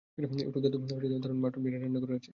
YouTube দাদু দারুণ mutton biryani রান্না করেছে।